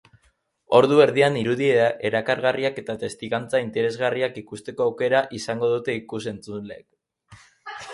Ordu erdian irudi erakargarriak eta testigantza interesgarriak ikusteko aukera izango dute ikus-entzuleek.